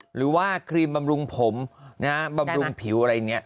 หรือว่าครีมบำรุงผมนะฮะบำรุงผิวอะไรอย่างนี้